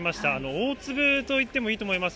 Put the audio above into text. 大粒といってもいいと思います。